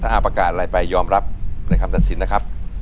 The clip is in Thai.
ถ้าประกาศอะไรไปยอมรับในคำตัดสินนะครับ